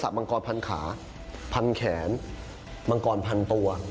มังกรพันขาพันแขนมังกรพันตัว